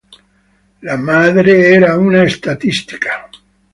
La madre era una statistica.